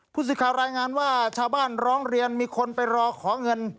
ผู้สื่อข่าวรายงานว่าชาวบ้านร้องเรียนมีคนไปรอขอเงิน